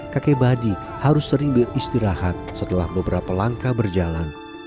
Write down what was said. kakek badi harus sering beristirahat setelah beberapa langkah berjalan